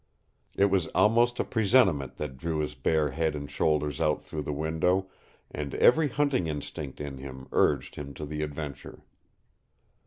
It was almost a presentiment that drew his bare head and shoulders out through the window, and every hunting instinct in him urged him to the adventure.